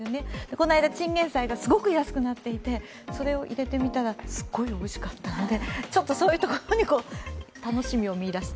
この間、チンゲンサイがすごく安くなっていてそれを入れてみたらすごいおいしかったので、そういうところに楽しみを見出して。